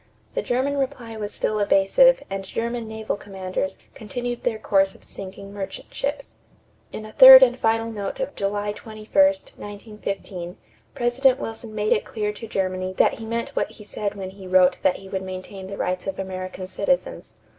The German reply was still evasive and German naval commanders continued their course of sinking merchant ships. In a third and final note of July 21, 1915, President Wilson made it clear to Germany that he meant what he said when he wrote that he would maintain the rights of American citizens.